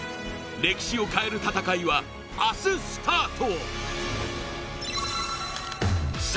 歴史を変える戦いは明日スタート。